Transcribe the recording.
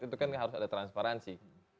itu kan harus ada transparansi